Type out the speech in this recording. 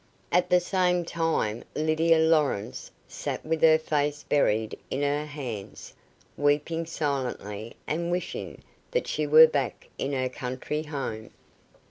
At the same time Lydia Lawrence sat with her face buried in her hands, weeping silently and wishing that she were back in her country home.